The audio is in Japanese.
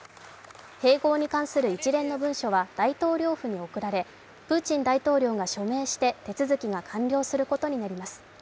併合に関する一連の文書は大統領府に送られプーチン大統領が署名して手続きが完了することになります。